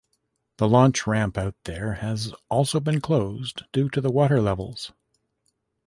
The launch ramp there has also been closed due to the water levels.